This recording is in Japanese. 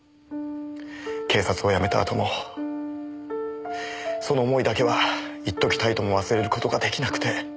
警察を辞めたあともその思いだけは一時たりとも忘れる事が出来なくて。